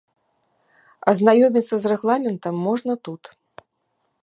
Азнаёміцца з рэгламентам можна тут.